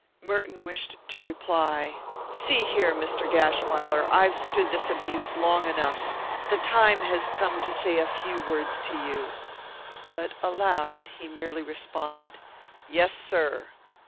Merton wished to reply: "See here, Mr. Gashwiler, I've stood this abuse long enough! The time has come to say a few words to you " But aloud he merely responded, "Yes, sir!"